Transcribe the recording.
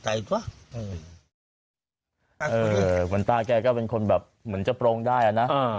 ท่านเก่าก็เป็นคนเมืองก็เป็นคนแบบจะโปรงเอ่อเงินนะ